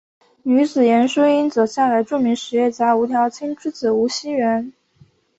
女子严淑英则嫁给著名实业家吴调卿之子吴熙元。